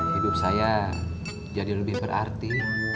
hidup saya jadi lebih berarti